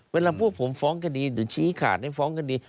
เวลาพวกผมฟ้องคดีหรือชี้ขาดให้ฟ้องคดี